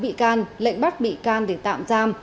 khởi tố bị can lệnh bắt bị can để tạm giam